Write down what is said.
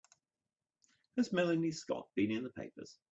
Has Melanie Scott been in the papers?